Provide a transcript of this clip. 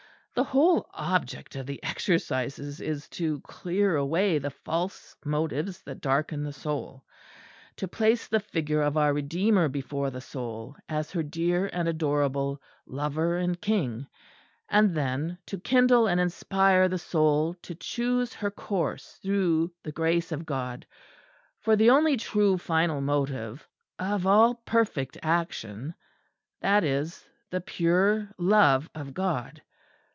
The whole object of the Exercises is to clear away the false motives that darken the soul; to place the Figure of our Redeemer before the soul as her dear and adorable Lover and King; and then to kindle and inspire the soul to choose her course through the grace of God, for the only true final motive of all perfect action, that is, the pure Love of God.